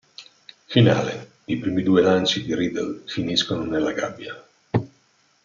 Finale: i primi due di lanci di Riedel finiscono nella gabbia.